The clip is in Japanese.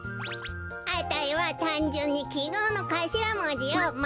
あたいはたんじゅんにきごうのかしらもじを○は「マ」